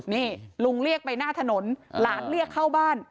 นี่ลุงเรียกไปหน้าถนนหลานเรียกเข้าบ้าน